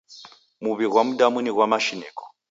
Muw'I ghwa mdamu ni ghwa mashiniko.